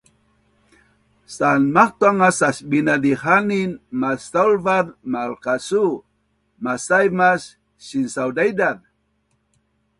san mahtuang a Sasbinazdihanin masaulvaz malkasuu, masaiv mas sinsaudaidaz